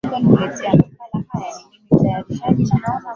inawapa wasikilizaji umiliki wa programu za redio